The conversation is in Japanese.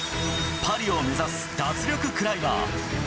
パリを目指す脱力クライマー。